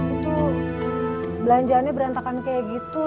itu belanjaannya berantakan kayak gitu